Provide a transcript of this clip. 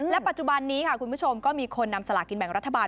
ปัจจุบันนี้ค่ะคุณผู้ชมก็มีคนนำสลากินแบ่งรัฐบาล